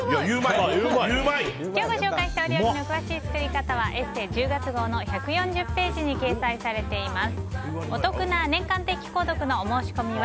今日ご紹介した料理の詳しい作り方は「ＥＳＳＥ」１０月号の１４０ページに掲載されています。